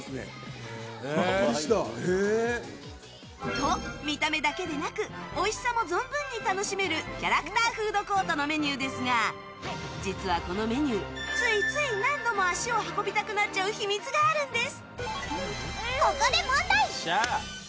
と、見た目だけでなくおいしさも存分に楽しめるキャラクターフードコートのメニューですが実は、このメニューついつい何度も足を運びたくなっちゃう秘密があるんです。